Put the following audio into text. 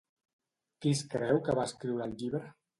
Qui es creu que va escriure el llibre?